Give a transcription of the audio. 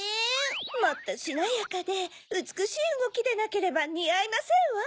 もっとしなやかでうつくしいうごきでなければにあいませんわ。